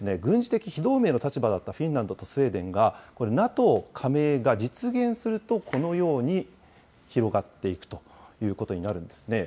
これまで軍事的非同盟の立場だったフィンランドとスウェーデンがこれ、ＮＡＴＯ加盟が実現すると、このように広がっていくということになるんですね。